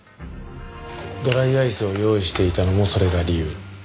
ドライアイスを用意していたのもそれが理由。